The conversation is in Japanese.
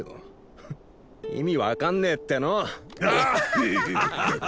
フフッ意味分かんねえっての。